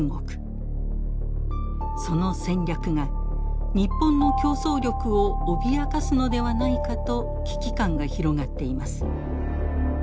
その戦略が日本の競争力を脅かすのではないかと危機感が広がっています。